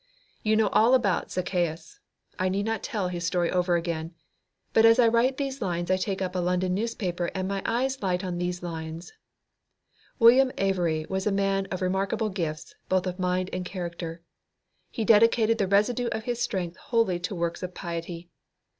You know all about Zacchaeus. I need not tell his story over again. But as I write these lines I take up a London newspaper and my eyes light on these lines: "William Avary was a man of remarkable gifts, both of mind and character. He dedicated the residue of his strength wholly to works of piety.